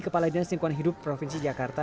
kepala dinas lingkungan hidup provinsi jakarta